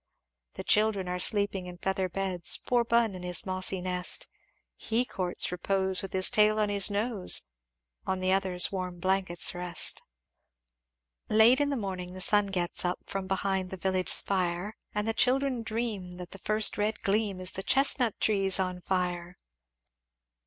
"The children are sleeping in feather beds Poor Bun in his mossy nest, He courts repose with his tail on his nose. On the others warm blankets rest. "Late in the morning the sun gets up From behind the village spire; And the children dream, that the first red gleam Is the chestnut trees on fire!